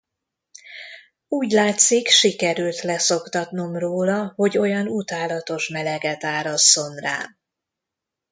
Úgy látszik, sikerült leszoktatnom róla, hogy olyan utálatos meleget árasszon rám.